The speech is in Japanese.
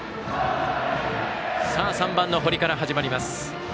３番の堀から始まります。